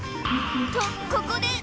とここで！